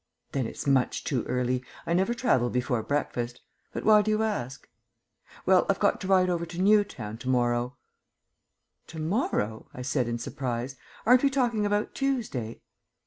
"Then it's much too early. I never travel before breakfast. But why do you ask?" "Well, I've got to ride over to Newtown to morrow " "To morrow?" I said in surprise. "Aren't we talking about Tuesday?"